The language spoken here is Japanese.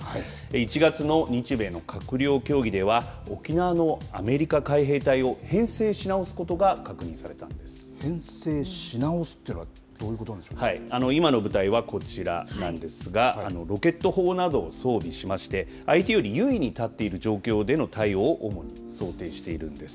１月の日米の閣僚協議では沖縄のアメリカ海兵隊を編成し直すことが編成し直すっていうのは今の部隊はこちらなんですがロケット砲などを装備しまして相手より優位に立っている状況での対応を主に想定しているんです。